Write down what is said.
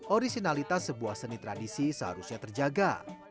originalitas sebuah seni tradisi seharusnya terjaga